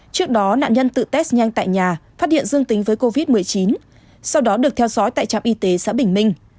trước đó nạn nhân tự test nhanh tại nhà phát hiện dương tính với covid một mươi chín sau đó được theo dõi tại trạm y tế xã bình minh